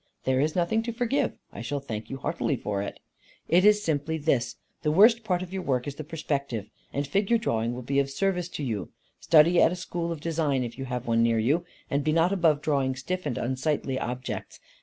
"There is nothing to forgive. I shall thank you heartily for it." "It is simply this: The worst part of your work is the perspective. And figure drawing will be of service to you. Study at a school of design, if you have one near you; and be not above drawing stiff and unsightly objects.